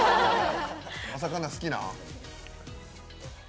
お魚好きなん？